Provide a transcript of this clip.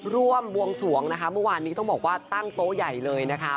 บวงสวงนะคะเมื่อวานนี้ต้องบอกว่าตั้งโต๊ะใหญ่เลยนะคะ